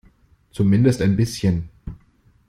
Zumindest ein bisschen.